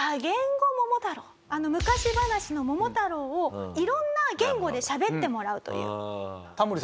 あの昔話の『桃太郎』を色んな言語でしゃべってもらうという。